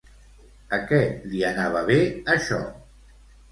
A què li anava bé això?